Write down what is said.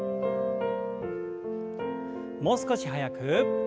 もう少し速く。